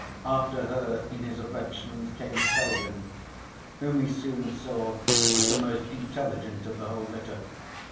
After her in his affections came Selwyn, whom he soon saw was the most intelligent of the whole litter.